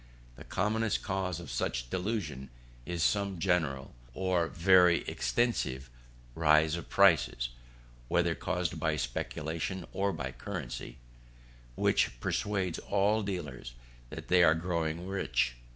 The commonest cause of such delusion is some general, or very extensive, rise of prices (whether caused by speculation or by the currency) which persuades all dealers that they are growing rich.